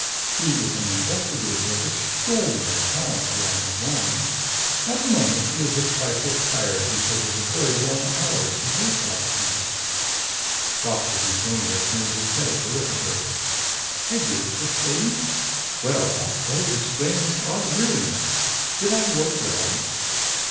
He is an investigator of extraordinary talents along his line. At the moment, he is a trifle tired because of the very long hours he worked last night." Doctor Veetonia turned his head to look at her. "I did, First Lady? Well, that does explain this odd weariness. Did I work well?"